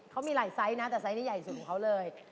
เขามีหลายไซส์นะแต่ไซส์นี้ใหญ่สุดของเขาเลย